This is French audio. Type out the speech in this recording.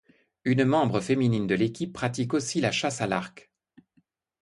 Une membre féminine de l'équipe pratique aussi la chasse à l'arc.